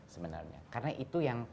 sebenarnya karena itu yang